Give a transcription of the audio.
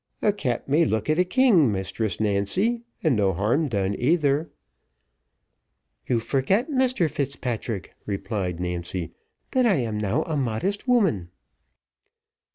"A cat may look at a king, Mistress Nancy, and no harm done either." "You forget, Mr Fitzpatrick," replied Nancy, "that I am now a modest woman."